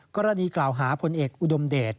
กรณีกล่าวหาพลเอกอุดมเดช